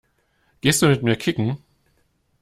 Gehst du mit mir kicken?